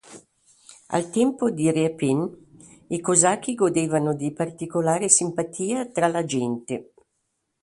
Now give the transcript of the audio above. Al tempo di Repin, i cosacchi godevano di particolare simpatia tra la gente.